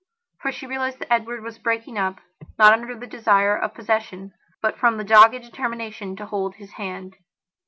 For she realized that Edward was breaking up, not under the desire for possession, but from the dogged determination to hold his hand.